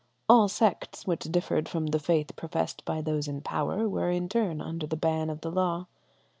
All sects which differed from the faith professed by those in power were in turn under the ban of the law.